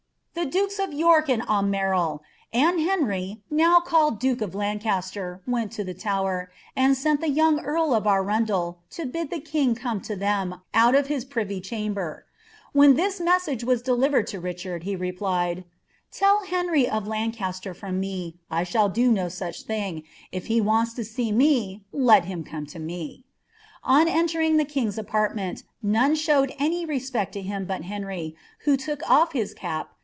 The dukes of Vork and Aunierle. and Henry, now called dnke of LADcaJttrr, went lo the Tower, and sent tlie young earl of Arundel* to bid lh«i king come to them, oni of his privy chamber. When this nwa aagr was delivered to liicbnrd, he replied, '* Tell Henry of l^ucuter fram me, I ihall do no such thing ; if he wants lo see me. let him coma lo me." On entering the king's afHirtineni, none sliowed any respect to him but Henrj', who took olf his cap.